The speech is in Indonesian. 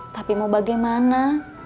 tapi mau bagaimana